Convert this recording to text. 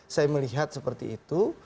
saya melihat seperti itu